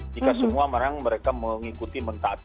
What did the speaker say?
jika semua mereka mengikuti mentaati